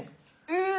うわ！